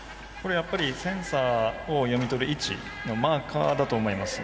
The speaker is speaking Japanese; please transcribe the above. やっぱりセンサーを読み取る位置のマーカーだと思います。